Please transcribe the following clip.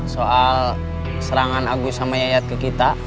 soal serangan agus sama yayat ke kita